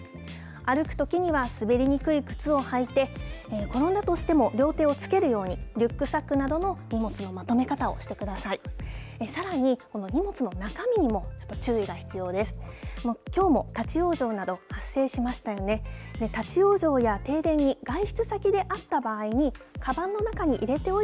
歩くときには滑りにくい靴を履いて、転んだとしても両手をつけるように、リュックサックなどの荷物のまとめ方をしてください。